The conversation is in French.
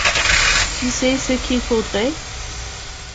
Tu sais ce qu’il faudrait?